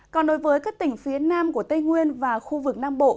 còn đối với các tỉnh phía nam của tây nguyên và khu vực nam bộ